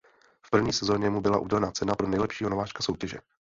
V první sezóně mu byla udělena cena pro nejlepšího nováčka soutěže.